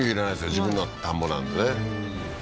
自分の田んぼなんでね